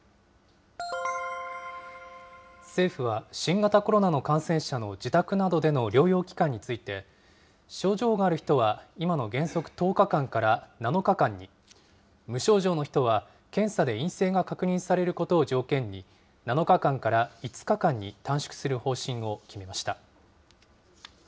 政府は、新型コロナの感染者の自宅などでの療養期間について、症状がある人は今の原則１０日間から７日間に、無症状の人は検査で陰性が確認されることを条件に、７日間から５日間に短縮する方針を決めました。